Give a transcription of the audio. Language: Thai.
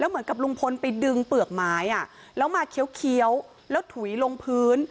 เหมือนกับลุงพลไปดึงเปลือกไม้แล้วมาเคี้ยวแล้วถุยลงพื้น